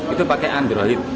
itu pakai android